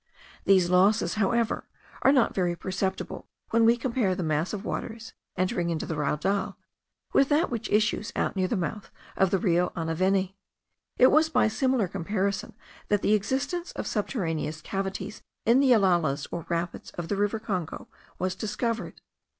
These losses, however, are not very perceptible when we compare the mass of waters entering into the raudal with that which issues out near the mouth of the Rio Anaveni. It was by a similar comparison that the existence of subterraneous cavities in the yellalas or rapids of the river Congo was discovered.